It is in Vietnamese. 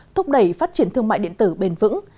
thúc đẩy phát triển thương mại điện tử bền vững